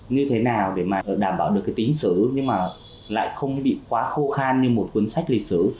như thế nào để mà đảm bảo được cái tính sử nhưng mà lại không bị quá khô khan như một cuốn sách lịch sử